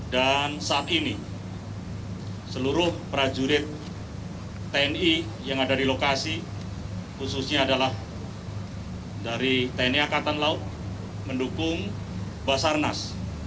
dan saat ini seluruh prajurit tni yang ada di lokasi khususnya adalah dari tni akatan laut mendukung basarnas